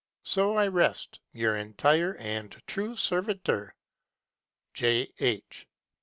So I rest ŌĆö Your entire and true Servitor, J. H.